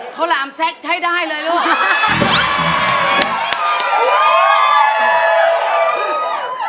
ข้าวลามแซ็กใช้ได้เลยลูก